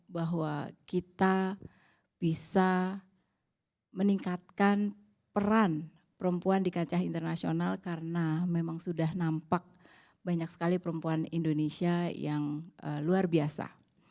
bahwa kita bisa meningkatkan peran perempuan di kancah internasional karena memang sudah nampak banyak sekali perempuan indonesia yang luar biasa